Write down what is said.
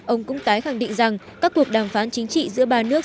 ông cũng tái khẳng định rằng các cuộc đàm phán chính trị giữa ba nước